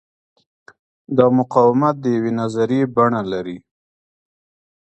دا مقاومت د یوې نظریې بڼه لري.